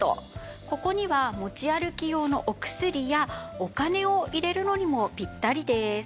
ここには持ち歩き用のお薬やお金を入れるのにもぴったりです。